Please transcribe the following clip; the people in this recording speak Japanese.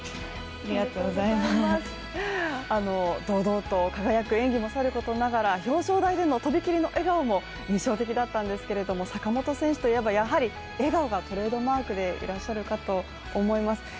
堂々と輝く演技もさることながら表彰台でのとびきりの笑顔も印象的だったんですけれども坂本選手といえば、やはり笑顔がトレードマークでいらっしゃるかと思います。